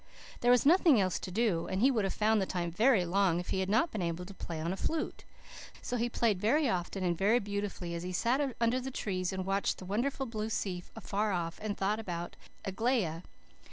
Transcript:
There was nothing else to do, and he would have found the time very long, if he had not been able to play on a flute. So he played very often and very beautifully, as he sat under the trees and watched the wonderful blue sea afar off, and thought about Aglaia.